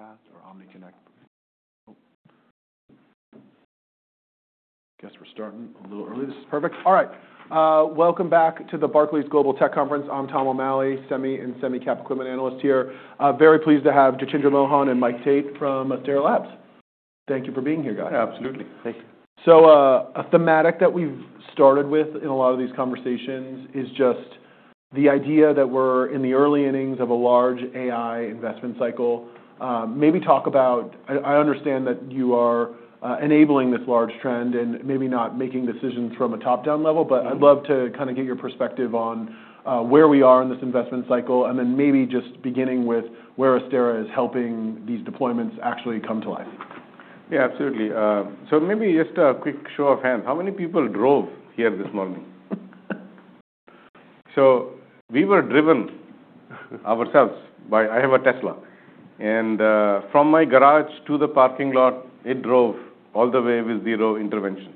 VPAT or OmniConnect? Guess we're starting a little early. This is perfect. All right. Welcome back to the Barclays Global Tech Conference. I'm Tom O'Malley, semi and semi-cap equipment analyst here. Very pleased to have Jitendra Mohan and Mike Tate from Astera Labs. Thank you for being here, guys. Yeah, absolutely. Thank you. A thematic that we've started with in a lot of these conversations is just the idea that we're in the early innings of a large AI investment cycle. Maybe talk about. I understand that you are enabling this large trend and maybe not making decisions from a top-down level, but I'd love to kinda get your perspective on where we are in this investment cycle and then maybe just beginning with where Astera is helping these deployments actually come to life. Yeah, absolutely. So maybe just a quick show of hands. How many people drove here this morning? We were driven ourselves by. I have a Tesla. From my garage to the parking lot, it drove all the way with zero intervention.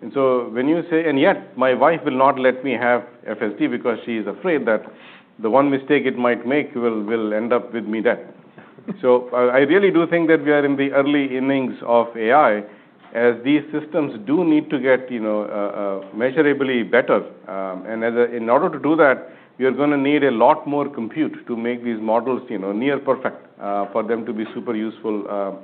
When you say, and yet my wife will not let me have FSD because she's afraid that the one mistake it might make will end up with me dead. I really do think that we are in the early innings of AI as these systems do need to get, you know, measurably better. As—in order to do that, we are gonna need a lot more compute to make these models, you know, near perfect, for them to be super useful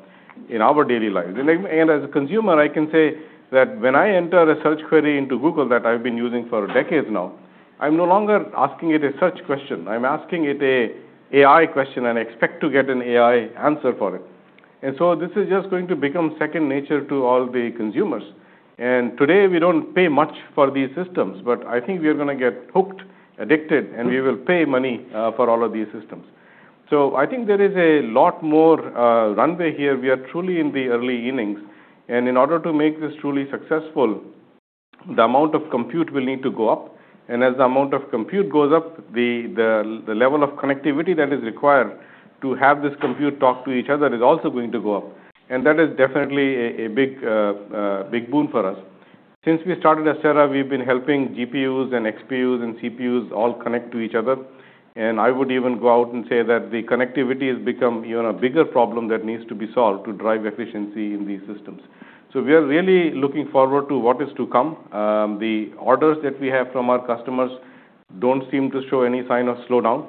in our daily lives. As a consumer, I can say that when I enter a search query into Google that I've been using for decades now, I'm no longer asking it a search question. I'm asking it an AI question and expect to get an AI answer for it, and so this is just going to become second nature to all the consumers. Today we don't pay much for these systems, but I think we are gonna get hooked, addicted, and we will pay money for all of these systems, so I think there is a lot more runway here. We are truly in the early innings. In order to make this truly successful, the amount of compute will need to go up. As the amount of compute goes up, the level of connectivity that is required to have this compute talk to each other is also going to go up. That is definitely a big boon for us. Since we started Astera, we've been helping GPUs and XPUs and CPUs all connect to each other. I would even go out and say that the connectivity has become, you know, a bigger problem that needs to be solved to drive efficiency in these systems. We are really looking forward to what is to come. The orders that we have from our customers don't seem to show any sign of slowdown.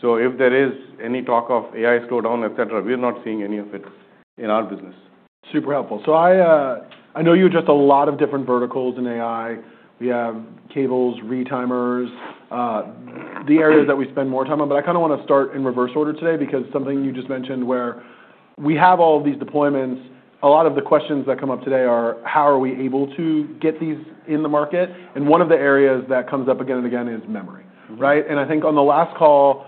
If there is any talk of AI slowdown, etc., we are not seeing any of it in our business. Super helpful. So I know you addressed a lot of different verticals in AI. We have cables, retimers, the areas that we spend more time on. But I kinda wanna start in reverse order today because something you just mentioned where we have all these deployments, a lot of the questions that come up today are, how are we able to get these in the market? And one of the areas that comes up again and again is memory, right? And I think on the last call,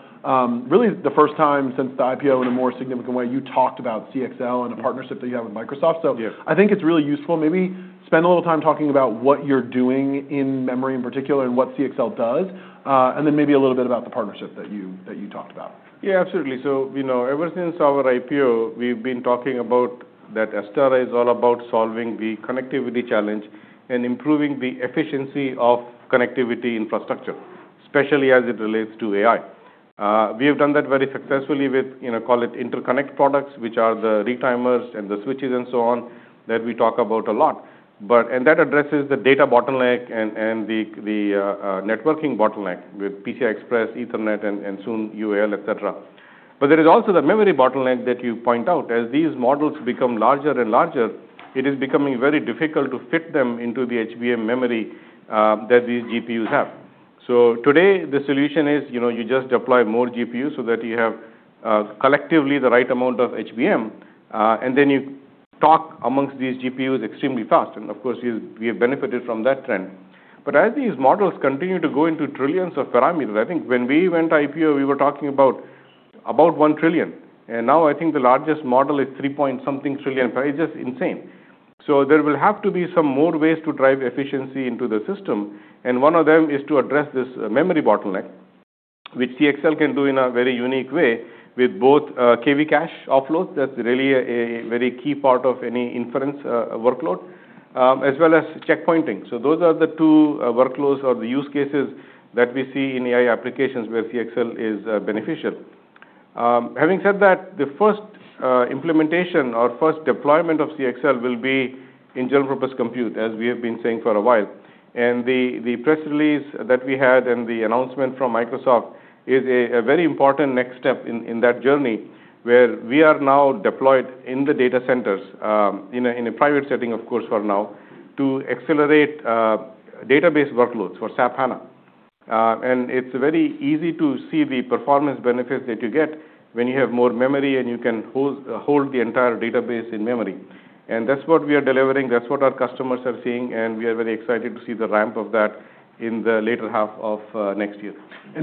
really the first time since the IPO in a more significant way, you talked about CXL and a partnership that you have with Microsoft. So. Yeah. I think it's really useful. Maybe spend a little time talking about what you're doing in memory in particular and what CXL does, and then maybe a little bit about the partnership that you talked about. Yeah, absolutely. So, you know, ever since our IPO, we've been talking about that Astera is all about solving the connectivity challenge and improving the efficiency of connectivity infrastructure, especially as it relates to AI. We have done that very successfully with, you know, call it interconnect products, which are the retimers and the switches and so on that we talk about a lot. But that addresses the data bottleneck and the networking bottleneck with PCI Express, Ethernet, and soon UAL, etc. But there is also the memory bottleneck that you point out. As these models become larger and larger, it is becoming very difficult to fit them into the HBM memory that these GPUs have. So today the solution is, you know, you just deploy more GPUs so that you have, collectively the right amount of HBM, and then you talk amongst these GPUs extremely fast. And of course, we have benefited from that trend. But as these models continue to go into trillions of parameters, I think when we went IPO, we were talking about, about 1 trillion. And now I think the largest model is 3 point something trillion. It's just insane. So there will have to be some more ways to drive efficiency into the system. And one of them is to address this memory bottleneck, which CXL can do in a very unique way with both, KV cache offloads. That's really a very key part of any inference, workload, as well as checkpointing. So those are the two workloads or the use cases that we see in AI applications where CXL is beneficial. Having said that, the first implementation or first deployment of CXL will be in general purpose compute, as we have been saying for a while. And the press release that we had and the announcement from Microsoft is a very important next step in that journey where we are now deployed in the data centers in a private setting, of course, for now, to accelerate database workloads for SAP HANA. And it's very easy to see the performance benefits that you get when you have more memory and you can house the entire database in memory. And that's what we are delivering. That's what our customers are seeing. We are very excited to see the ramp of that in the later half of next year.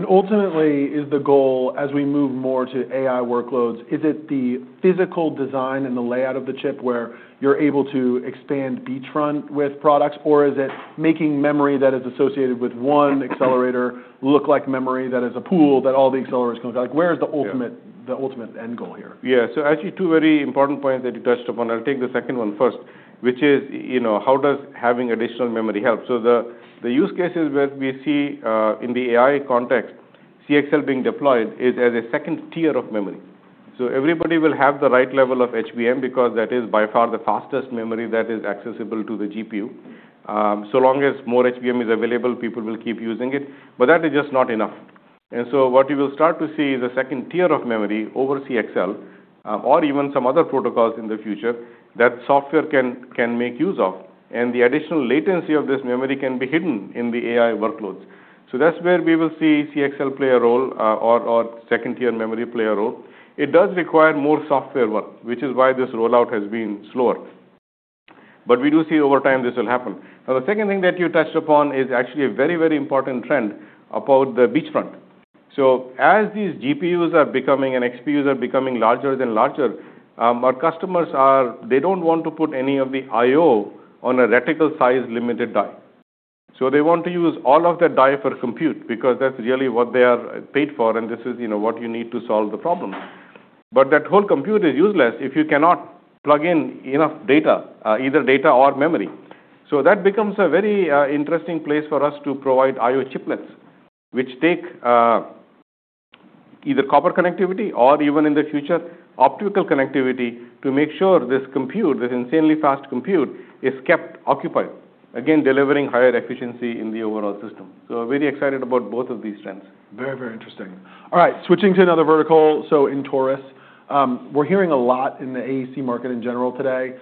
Ultimately, is the goal as we move more to AI workloads, is it the physical design and the layout of the chip where you're able to expand beachfront with products, or is it making memory that is associated with one accelerator look like memory that is a pool that all the accelerators can look at? Like, where is the ultimate end goal here? Yeah. So actually two very important points that you touched upon. I'll take the second one first, which is, you know, how does having additional memory help? So the use cases that we see, in the AI context, CXL being deployed is as a second tier of memory. So everybody will have the right level of HBM because that is by far the fastest memory that is accessible to the GPU. So long as more HBM is available, people will keep using it. But that is just not enough. And so what you will start to see is a second tier of memory over CXL, or even some other protocols in the future that software can make use of. And the additional latency of this memory can be hidden in the AI workloads. So that's where we will see CXL play a role, or second tier memory play a role. It does require more software work, which is why this rollout has been slower. But we do see over time this will happen. Now, the second thing that you touched upon is actually a very, very important trend about the beachfront. So as these GPUs are becoming and XPUs are becoming larger and larger, our customers are, they don't want to put any of the I/O on a reticle size limited die. So they want to use all of that die for compute because that's really what they are paid for. And this is, you know, what you need to solve the problem. But that whole compute is useless if you cannot plug in enough data, either data or memory. So that becomes a very interesting place for us to provide I/O chiplets, which take either copper connectivity or even in the future optical connectivity to make sure this compute, this insanely fast compute, is kept occupied, again, delivering higher efficiency in the overall system. So I'm very excited about both of these trends. Very, very interesting. All right. Switching to another vertical. So in Taurus, we're hearing a lot in the AEC market in general today.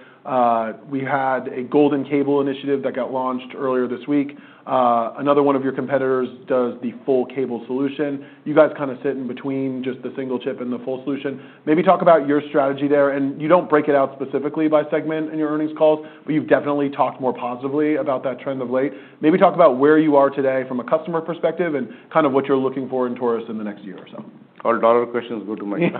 We had a Golden Cable initiative that got launched earlier this week. Another one of your competitors does the full cable solution. You guys kinda sit in between just the single chip and the full solution. Maybe talk about your strategy there. And you don't break it out specifically by segment in your earnings calls, but you've definitely talked more positively about that trend of late. Maybe talk about where you are today from a customer perspective and kind of what you're looking for in Taurus in the next year or so. All dollar questions go to Mike.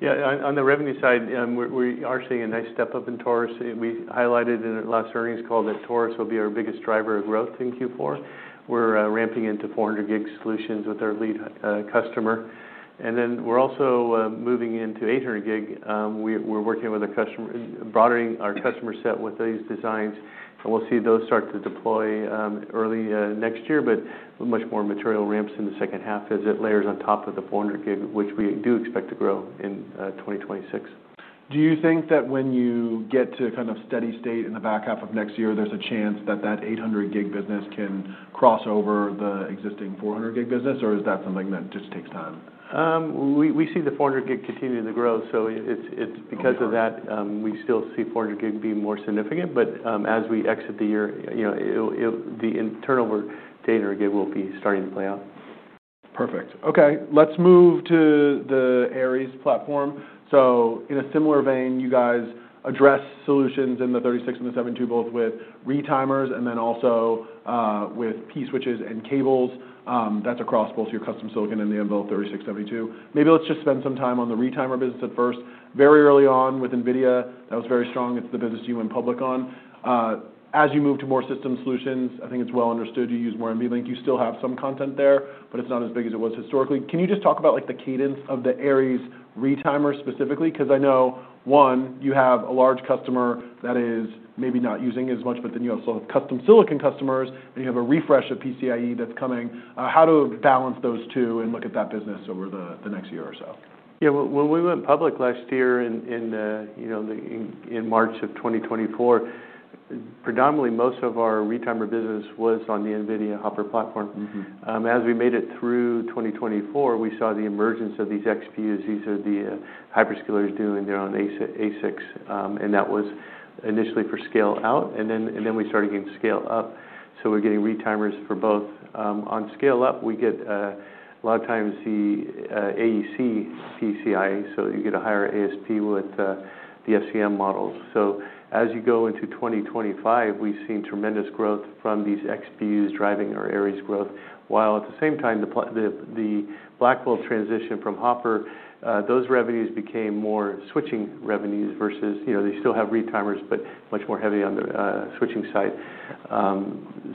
Yeah. On the revenue side, we are seeing a nice step up in Taurus. We highlighted in our last earnings call that Taurus will be our biggest driver of growth in Q4. We're ramping into 400 gig solutions with our lead hyperscaler customer. And then we're also moving into 800 gig. We're working with a customer, broadening our customer set with these designs. And we'll see those start to deploy early next year, but much more material ramps in the second half as it layers on top of the 400 gig, which we do expect to grow in 2026. Do you think that when you get to kind of steady state in the back half of next year, there's a chance that that 800 gig business can cross over the existing 400 gig business, or is that something that just takes time? We see the 400 gig continue to grow. So it's because of that, we still see 400 gig be more significant. But, as we exit the year, you know, it'll the 800 gig will be starting to play out. Perfect. Okay. Let's move to the Aries platform, so in a similar vein, you guys address solutions in the 36 and the 72, both with retimers and then also with PCIe switches and cables. That's across both your custom silicon and the Aries 36/72. Maybe let's just spend some time on the retimer business at first. Very early on with NVIDIA, that was very strong. It's the business you went public on. As you move to more system solutions, I think it's well understood you use more NVLink. You still have some content there, but it's not as big as it was historically. Can you just talk about, like, the cadence of the Aries retimers specifically? 'Cause I know, one, you have a large customer that is maybe not using as much, but then you also have custom silicon customers, and you have a refresh of PCIe that's coming. How to balance those two and look at that business over the next year or so? Yeah. When we went public last year in, you know, in March of 2024, predominantly most of our retimer business was on the NVIDIA Hopper platform. Mm-hmm. As we made it through 2024, we saw the emergence of these XPUs. These are the hyperscalers doing their own ASICs, and that was initially for scale out, and then we started getting scale up. So we're getting retimers for both. On scale up, we get a lot of times the AEC PCIe, so you get a higher ASP with the FCM models. So as you go into 2025, we've seen tremendous growth from these XPUs driving our Aries growth, while at the same time, the Blackwell transition from Hopper, those revenues became more switching revenues versus, you know, they still have retimers, but much more heavy on the switching side,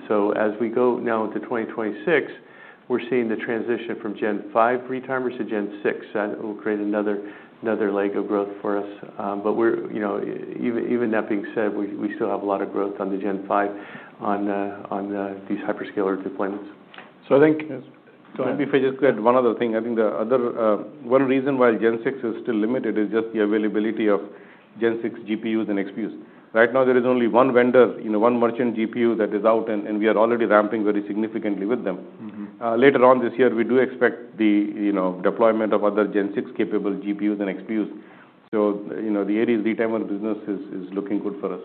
so as we go now into 2026, we're seeing the transition from Gen 5 retimers to Gen 6. That will create another leg of growth for us. But we're, you know, even that being said, we still have a lot of growth on the Gen 5 on these hyperscaler deployments. I think. Yes. Go ahead. If I just add one other thing. I think the other, one reason why Gen 6 is still limited is just the availability of Gen 6 GPUs and XPUs. Right now, there is only one vendor, you know, one merchant GPU that is out, and we are already ramping very significantly with them. Mm-hmm. Later on this year, we do expect the, you know, deployment of other Gen 6 capable GPUs and XPUs. So, you know, the Aries retimer business is looking good for us.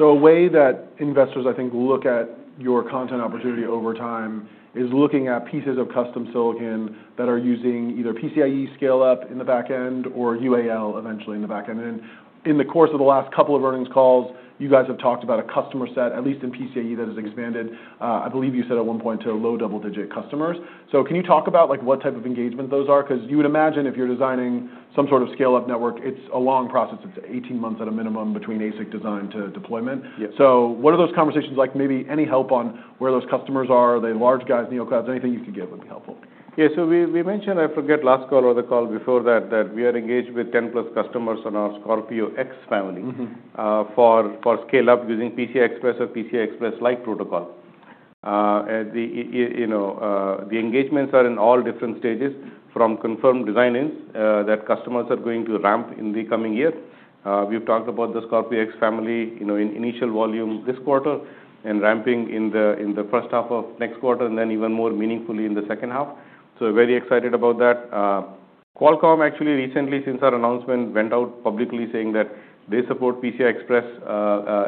A way that investors, I think, look at your connect opportunity over time is looking at pieces of custom silicon that are using either PCIe scale up in the back end or UAL eventually in the back end. In the course of the last couple of earnings calls, you guys have talked about a customer set, at least in PCIe, that has expanded. I believe you said at one point to low double digit customers. Can you talk about, like, what type of engagement those are? 'Cause you would imagine if you're designing some sort of scale up network, it's a long process. It's 18 months at a minimum between ASIC design to deployment. Yeah. What are those conversations like? Maybe any help on where those customers are? Are they large guys, NeoClouds? Anything you could give would be helpful. Yeah. So we mentioned, I forget last call or the call before that, that we are engaged with 10 plus customers on our Scorpio X family. Mm-hmm. for scale up using PCI Express or PCI Express like protocol. And the, you know, the engagements are in all different stages from confirmed designs, that customers are going to ramp in the coming year. We've talked about the Scorpio X family, you know, in initial volume this quarter and ramping in the first half of next quarter and then even more meaningfully in the second half. So very excited about that. Qualcomm actually recently, since our announcement, went out publicly saying that they support PCI Express,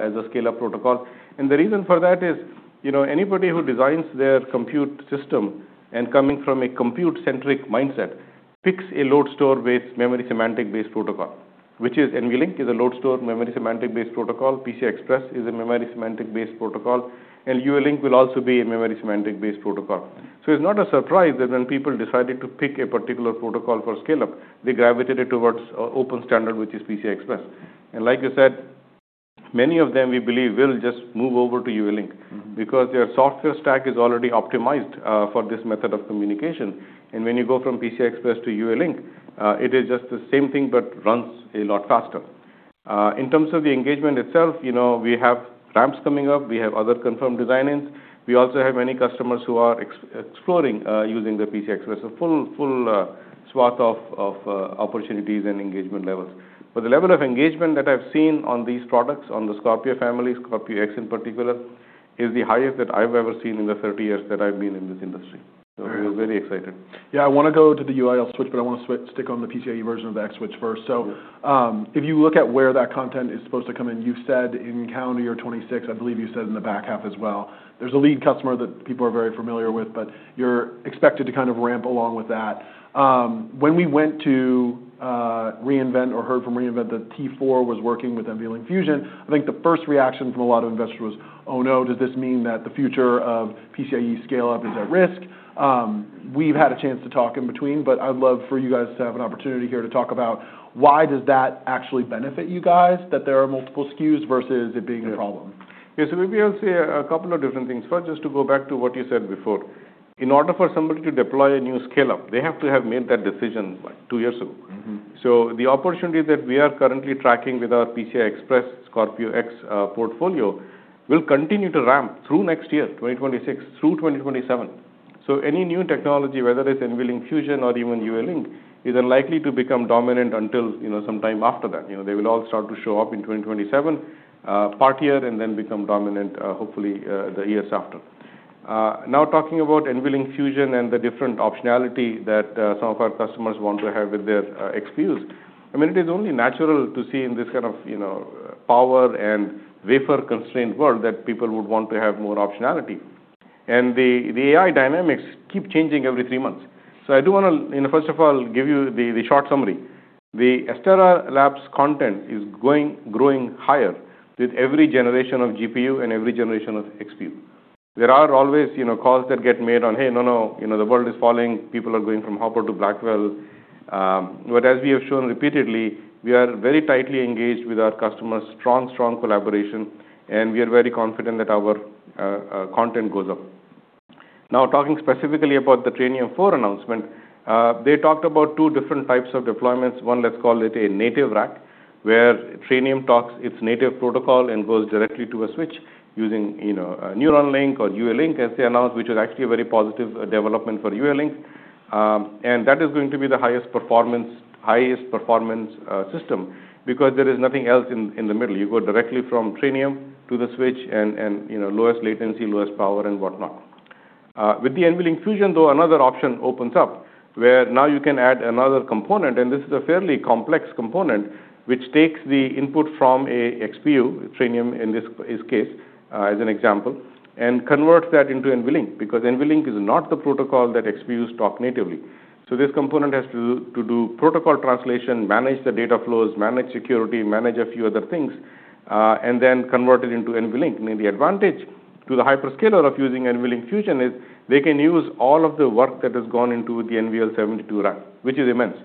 as a scale up protocol. And the reason for that is, you know, anybody who designs their compute system and coming from a compute centric mindset picks a load store based memory semantic based protocol, which is NVLink is a load store memory semantic based protocol. PCI Express is a memory semantic based protocol. And UALink will also be a memory semantic based protocol. So it's not a surprise that when people decided to pick a particular protocol for scale up, they gravitated towards open standard, which is PCI Express. And like you said, many of them we believe will just move over to UALink. Mm-hmm. Because their software stack is already optimized for this method of communication, and when you go from PCI Express to UALink, it is just the same thing but runs a lot faster. In terms of the engagement itself, you know, we have ramps coming up. We have other confirmed designs. We also have many customers who are exploring using the PCI Express. A full swath of opportunities and engagement levels. But the level of engagement that I've seen on these products, on the Scorpio family, Scorpio X in particular, is the highest that I've ever seen in the 30 years that I've been in this industry. Mm-hmm. So we're very excited. Yeah. I wanna go to the UALink switch, but I wanna stick on the PCIe version of the X switch first. So, if you look at where that content is supposed to come in, you've said in calendar year 2026, I believe you said in the back half as well, there's a lead customer that people are very familiar with, but you're expected to kind of ramp along with that. When we went to re:Invent or heard from re:Invent that Trainium was working with NVLink Fusion, I think the first reaction from a lot of investors was, "Oh no, does this mean that the future of PCIe scale up is at risk?" We've had a chance to talk in between, but I'd love for you guys to have an opportunity here to talk about why does that actually benefit you guys that there are multiple SKUs versus it being a problem? Yeah, so we've been able to see a couple of different things. First, just to go back to what you said before. In order for somebody to deploy a new scale up, they have to have made that decision, like, two years ago. Mm-hmm. So the opportunity that we are currently tracking with our PCI Express Scorpio X portfolio will continue to ramp through next year, 2026, through 2027. So any new technology, whether it's NVLink Fusion or even UALink, is unlikely to become dominant until, you know, sometime after that. You know, they will all start to show up in 2027, part year and then become dominant, hopefully, the years after. Now talking about NVLink Fusion and the different optionality that some of our customers want to have with their XPUs, I mean, it is only natural to see in this kind of, you know, power and vapor constrained world that people would want to have more optionality. And the AI dynamics keep changing every three months. So I do wanna, you know, first of all, give you the short summary. The Astera Labs content is going, growing higher with every generation of GPU and every generation of XPU. There are always, you know, calls that get made on, "Hey, no, no, you know, the world is falling. People are going from Hopper to Blackwell," but as we have shown repeatedly, we are very tightly engaged with our customers, strong, strong collaboration. And we are very confident that our, content goes up. Now, talking specifically about the Trainium 4 announcement, they talked about two different types of deployments. One, let's call it a native rack, where Trainium talks its native protocol and goes directly to a switch using, you know, NVLink or UALink, as they announced, which is actually a very positive, development for UALink. And that is going to be the highest performance, highest performance, system because there is nothing else in, in the middle. You go directly from Trainium to the switch and, you know, lowest latency, lowest power, and whatnot. With the NVLink Fusion, though, another option opens up where now you can add another component. And this is a fairly complex component, which takes the input from an XPU, Trainium in this case as an example, and converts that into NVLink because NVLink is not the protocol that XPUs talk natively. So this component has to do protocol translation, manage the data flows, manage security, manage a few other things, and then convert it into NVLink. And the advantage to the hyperscaler of using NVLink Fusion is they can use all of the work that has gone into the NVL72 rack, which is immense.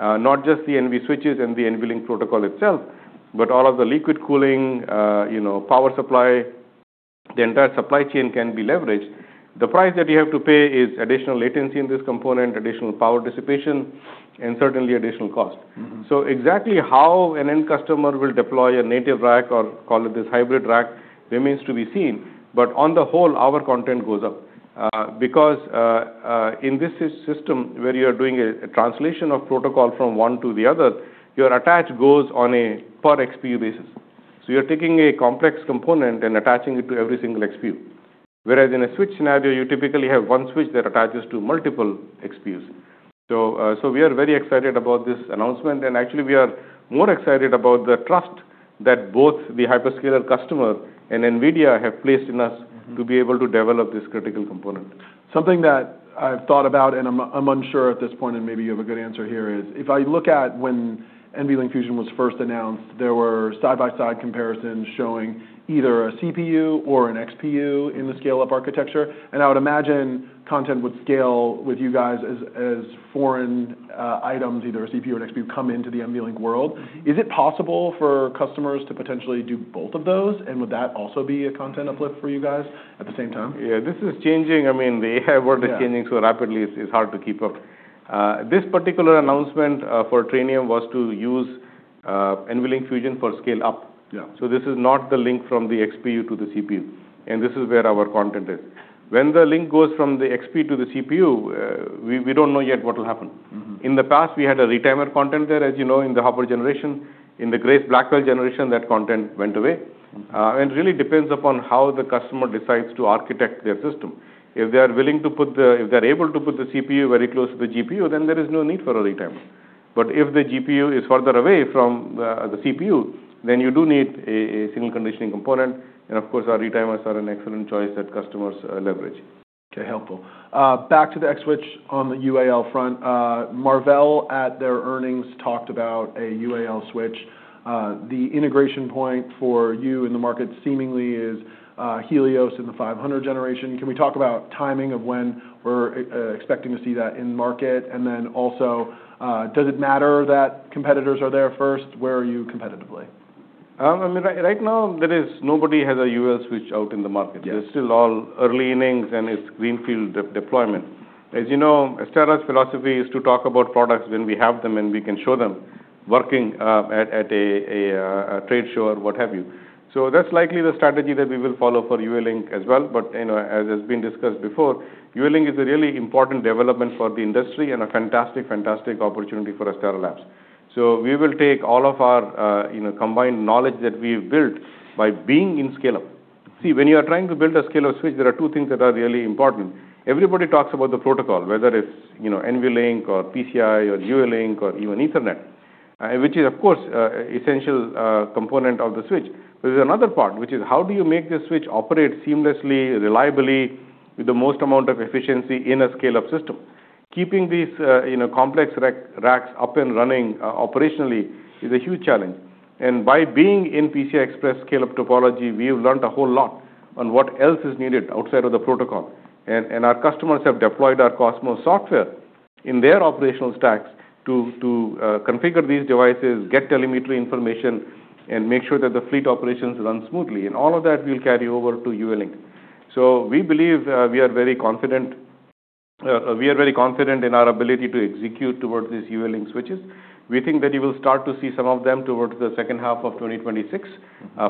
not just the NV switches and the NVLink protocol itself, but all of the liquid cooling, you know, power supply, the entire supply chain can be leveraged. The price that you have to pay is additional latency in this component, additional power dissipation, and certainly additional cost. Mm-hmm. So exactly how an end customer will deploy a native rack or call it this hybrid rack remains to be seen. But on the whole, our content goes up, because, in this system where you're doing a translation of protocol from one to the other, your attach goes on a per XPU basis. So you're taking a complex component and attaching it to every single XPU. Whereas in a switch scenario, you typically have one switch that attaches to multiple XPUs. So we are very excited about this announcement. And actually, we are more excited about the trust that both the hyperscaler customer and NVIDIA have placed in us to be able to develop this critical component. Something that I've thought about, and I'm unsure at this point, and maybe you have a good answer here, is if I look at when NVLink Fusion was first announced, there were side-by-side comparisons showing either a CPU or an XPU in the scale up architecture. And I would imagine connectivity would scale with you guys as form factors, either a CPU or an XPU, come into the NVLink world. Is it possible for customers to potentially do both of those? And would that also be a connectivity uplift for you guys at the same time? Yeah. This is changing. I mean, the AI world is changing so rapidly, it's hard to keep up. This particular announcement for Trainium was to use NVLink Fusion for scale up. Yeah. This is not the link from the XPU to the CPU. This is where our content is. When the link goes from the XPU to the CPU, we don't know yet what will happen. Mm-hmm. In the past, we had a retimer content there, as you know, in the Hopper generation. In the Grace Blackwell generation, that content went away. Mm-hmm. It really depends upon how the customer decides to architect their system. If they're able to put the CPU very close to the GPU, then there is no need for a retimer. But if the GPU is further away from the CPU, then you do need a single conditioning component. And of course, our retimers are an excellent choice that customers leverage. Okay. Helpful. Back to the X switch on the UAL front. Marvell at their earnings talked about a UAL switch. The integration point for you in the market seemingly is Helios in the 500 generation. Can we talk about timing of when we're expecting to see that in market? And then also, does it matter that competitors are there first? Where are you competitively? I mean, right now, there is nobody has a UALink switch out in the market. Yes. It's still early innings, and it's greenfield deployment. As you know, Astera's philosophy is to talk about products when we have them and we can show them working at a trade show or what have you, so that's likely the strategy that we will follow for UALink as well. But you know, as has been discussed before, UALink is a really important development for the industry and a fantastic, fantastic opportunity for Astera Labs, so we will take all of our, you know, combined knowledge that we've built by being in scale up. See, when you are trying to build a scale up switch, there are two things that are really important. Everybody talks about the protocol, whether it's, you know, NVLink or PCI or UALink or even Ethernet, which is, of course, an essential component of the switch. But there's another part, which is how do you make this switch operate seamlessly, reliably, with the most amount of efficiency in a scale up system? Keeping these, you know, complex racks up and running, operationally is a huge challenge. And by being in PCI Express scale up topology, we've learned a whole lot on what else is needed outside of the protocol. And our customers have deployed our Cosmos software in their operational stacks to configure these devices, get telemetry information, and make sure that the fleet operations run smoothly. And all of that we'll carry over to UALink. So we believe, we are very confident, we are very confident in our ability to execute towards these UALink switches. We think that you will start to see some of them towards the second half of 2026,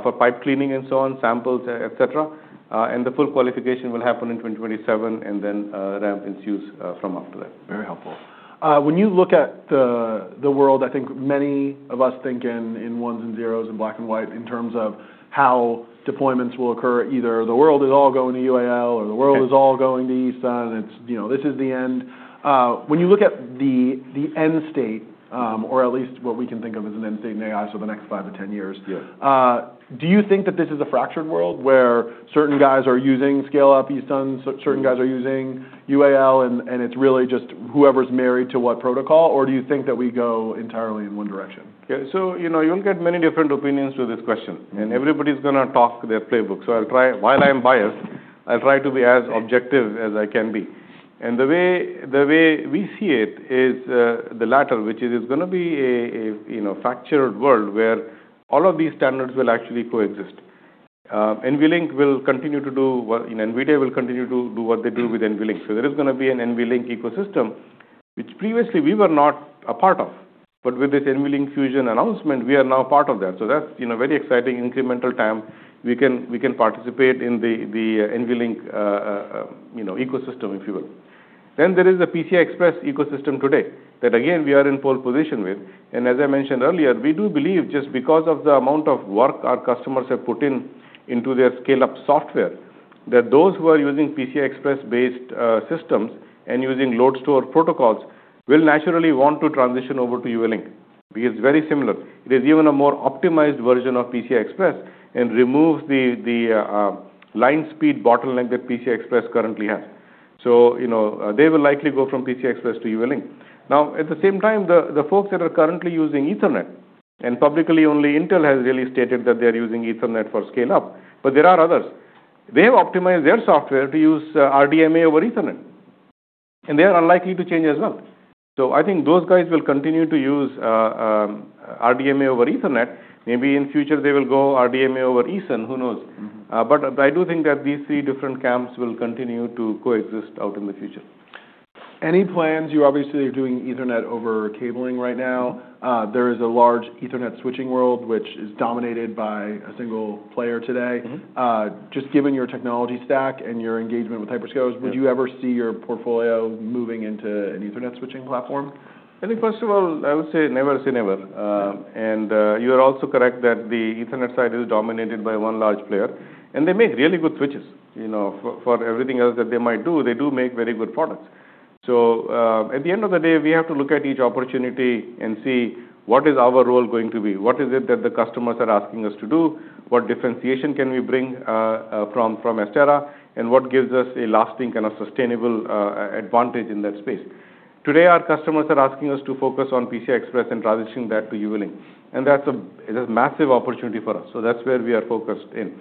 for pipe cleaning and so on, samples, etc. and the full qualification will happen in 2027 and then ramp in SKUs from after that. Very helpful. When you look at the world, I think many of us think in ones and zeros and black and white in terms of how deployments will occur. Either the world is all going to UAL or the world is all going to Ethernet. It's, you know, this is the end. When you look at the end state, or at least what we can think of as an end state in AI for the next 5-10 years. Yeah. Do you think that this is a fractured world where certain guys are using scale up Ethernet, certain guys are using UAL, and it's really just whoever's married to what protocol? Or do you think that we go entirely in one direction? Yeah. So, you know, you'll get many different opinions to this question. Mm-hmm. Everybody's gonna talk their playbook. I'll try, while I'm biased, I'll try to be as objective as I can be. The way we see it is the latter, which is gonna be a you know fractured world where all of these standards will actually coexist. NVLink will continue to do what you know NVIDIA will continue to do what they do with NVLink. There is gonna be an NVLink ecosystem, which previously we were not a part of. With this NVLink Fusion announcement, we are now part of that. That's you know very exciting incremental time. We can participate in the NVLink you know ecosystem, if you will. There is the PCI Express ecosystem today that, again, we are in pole position with. As I mentioned earlier, we do believe just because of the amount of work our customers have put into their scale up software, that those who are using PCI Express-based systems and using load store protocols will naturally want to transition over to UALink because it's very similar. It is even a more optimized version of PCI Express and removes the line speed bottleneck that PCI Express currently has. So, you know, they will likely go from PCI Express to UALink. Now, at the same time, the folks that are currently using Ethernet and publicly only Intel has really stated that they're using Ethernet for scale up. But there are others. They have optimized their software to use RDMA over Ethernet. And they are unlikely to change as well. So I think those guys will continue to use RDMA over Ethernet. Maybe in future, they will go RDMA over Ethernet, who knows? Mm-hmm. But I do think that these three different camps will continue to coexist out in the future. Any plans? You obviously are doing Ethernet over cabling right now. There is a large Ethernet switching world, which is dominated by a single player today. Mm-hmm. Just given your technology stack and your engagement with hyperscalers, would you ever see your portfolio moving into an Ethernet switching platform? I think, first of all, I would say never say never. Mm-hmm. You are also correct that the Ethernet side is dominated by one large player. And they make really good switches, you know, for everything else that they might do. They do make very good products. So, at the end of the day, we have to look at each opportunity and see what is our role going to be. What is it that the customers are asking us to do? What differentiation can we bring, from Astera? And what gives us a lasting kind of sustainable, advantage in that space? Today, our customers are asking us to focus on PCI Express and transitioning that to UALink. And that's a massive opportunity for us. So that's where we are focused in.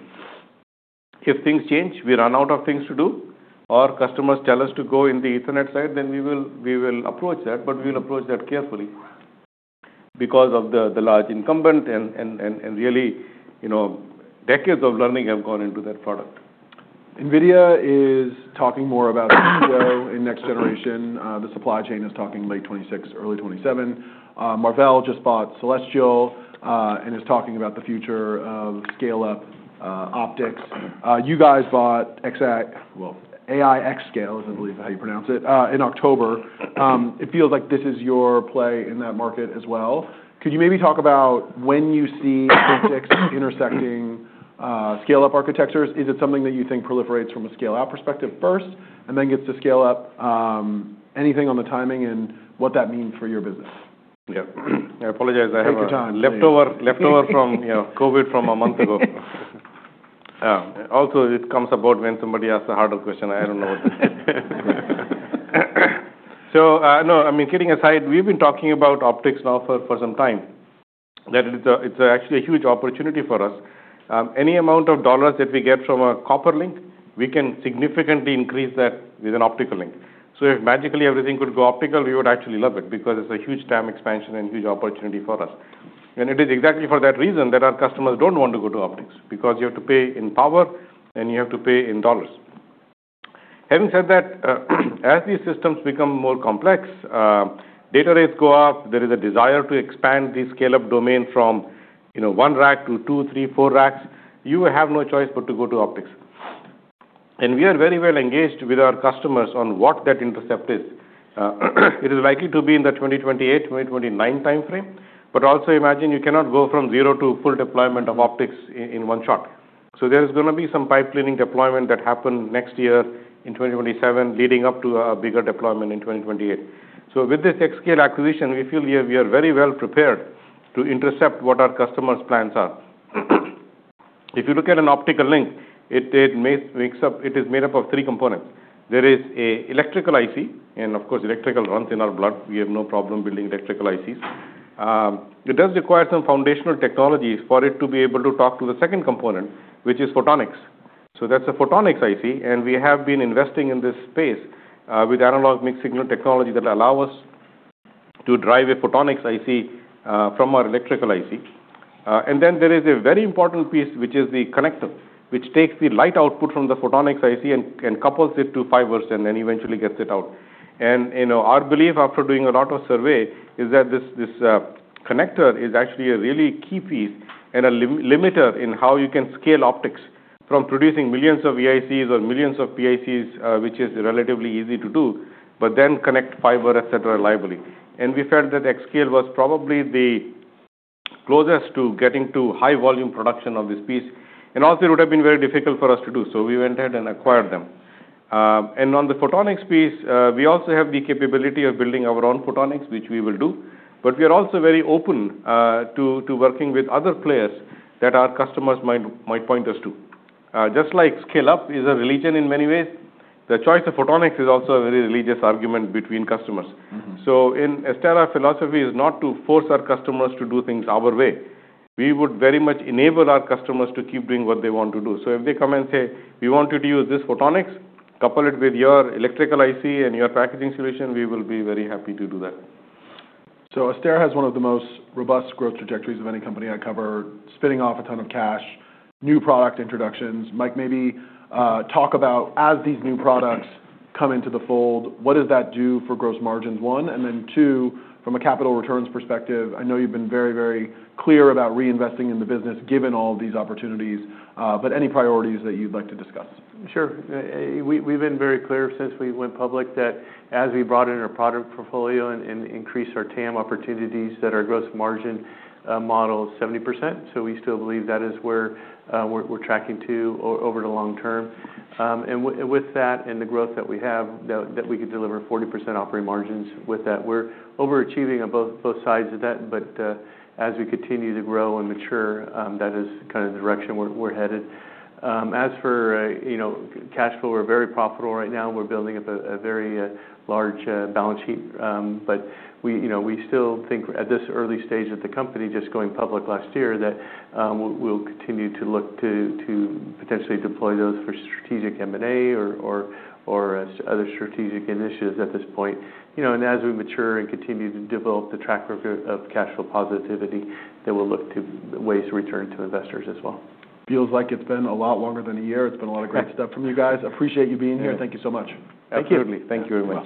If things change, we run out of things to do, or customers tell us to go in the Ethernet side, then we will approach that. But we'll approach that carefully because of the large incumbent and really, you know, decades of learning have gone into that product. NVIDIA is talking more about NVIDIA in next generation. The supply chain is talking late 2026, early 2027. Marvell just bought Celestial, and is talking about the future of scale up, optics. You guys bought XA well, AIX Scale is, I believe, how you pronounce it, in October. It feels like this is your play in that market as well. Could you maybe talk about when you see optics intersecting, scale up architectures? Is it something that you think proliferates from a scale out perspective first and then gets to scale up? Anything on the timing and what that means for your business? Yeah. I apologize. I have. Take your time. Leftover from, you know, COVID from a month ago. Also, it comes about when somebody asks a harder question. I don't know what to say. So, no, I mean, kidding aside, we've been talking about optics now for some time. That it's actually a huge opportunity for us. Any amount of dollars that we get from a copper link, we can significantly increase that with an optical link. So if magically everything could go optical, we would actually love it because it's a huge time expansion and huge opportunity for us. And it is exactly for that reason that our customers don't want to go to optics because you have to pay in power and you have to pay in dollars. Having said that, as these systems become more complex, data rates go up, there is a desire to expand the scale up domain from, you know, one rack to two, three, four racks. You have no choice but to go to optics. And we are very well engaged with our customers on what that inflection is. It is likely to be in the 2028, 2029 timeframe. But also, imagine you cannot go from zero to full deployment of optics in one shot. So there is gonna be some pipe cleaning deployment that happened next year in 2027 leading up to a bigger deployment in 2028. So with this X scale acquisition, we feel we are very well prepared to intercept what our customers' plans are. If you look at an optical link, its makeup. It is made up of three components. There is an electrical IC, and of course, electrical runs in our blood. We have no problem building electrical ICs. It does require some foundational technologies for it to be able to talk to the second component, which is photonics. That's a photonics IC. We have been investing in this space, with analog mixed-signal technology that allows us to drive a photonics IC, from our electrical IC. Then there is a very important piece, which is the connector, which takes the light output from the photonics IC and couples it to fibers and then eventually gets it out. You know, our belief after doing a lot of survey is that this connector is actually a really key piece and a limiter in how you can scale optics from producing millions of EICs or millions of PICs, which is relatively easy to do, but then connect fiber, etc., reliably. We felt that X scale was probably the closest to getting to high volume production of this piece. It would have been very difficult for us to do. We went ahead and acquired them, and on the photonics piece, we also have the capability of building our own photonics, which we will do. We are also very open to working with other players that our customers might point us to. Just like scale up is a religion in many ways, the choice of photonics is also a very religious argument between customers. Mm-hmm. In Astera's philosophy is not to force our customers to do things our way. We would very much enable our customers to keep doing what they want to do. If they come and say, "We want you to use this photonics, couple it with your electrical IC and your packaging solution," we will be very happy to do that. So Astera Labs has one of the most robust growth trajectories of any company I cover, spitting off a ton of cash, new product introductions. Mike, maybe talk about as these new products come into the fold, what does that do for gross margins? One. And then two, from a capital returns perspective, I know you've been very, very clear about reinvesting in the business given all of these opportunities, but any priorities that you'd like to discuss? Sure. We've been very clear since we went public that as we broaden our product portfolio and increase our TAM opportunities, that our gross margin model is 70%. So we still believe that is where we're tracking to over the long term. And with that and the growth that we have, that we could deliver 40% operating margins with that. We're overachieving on both sides of that. But as we continue to grow and mature, that is kind of the direction we're headed. As for, you know, cash flow, we're very profitable right now. We're building up a very large balance sheet. But we, you know, we still think at this early stage of the company just going public last year that we'll continue to look to potentially deploy those for strategic M&A or other strategic initiatives at this point. You know, and as we mature and continue to develop the track record of cash flow positivity, then we'll look to ways to return to investors as well. Feels like it's been a lot longer than a year. It's been a lot of great stuff from you guys. Appreciate you being here. Thank you so much. Absolutely. Thank you very much.